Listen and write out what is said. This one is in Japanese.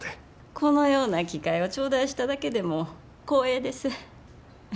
このような機会を頂戴しただけでも光栄です。